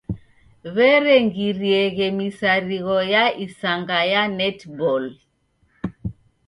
W'erengirieghe misarigho ya isanga ya netiboli.